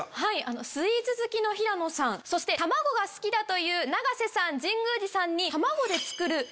スイーツ好きの平野さんそして卵が好きだという永瀬さん神宮寺さんに。